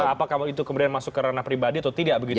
apakah itu kemudian masuk ke ranah pribadi atau tidak begitu